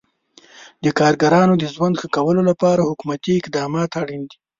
د کارګرانو د ژوند ښه کولو لپاره حکومتي اقدامات اړین دي.